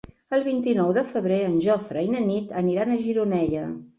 El vint-i-nou de febrer en Jofre i na Nit aniran a Gironella.